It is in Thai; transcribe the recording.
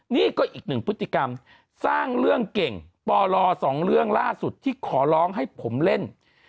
นี่ก็อีกหนึ่งพฤติกรรมสร้างเรื่องเก่งปลสองเรื่องล่าสุดที่ขอร้องให้ผมเล่น